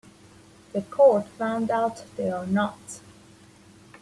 The court found that they are not.